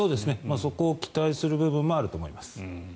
そこを期待する部分もあると思います。